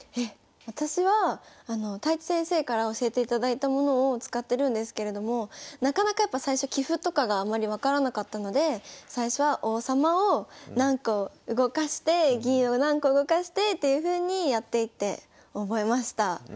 私は太地先生から教えていただいたものを使ってるんですけれどもなかなかやっぱ最初棋譜とかがあまり分からなかったので最初は王様を何個動かして銀を何個動かしてっていうふうにやっていって覚えました。